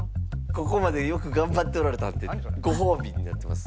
ここまでよく頑張っておられたんでごほうびになってます。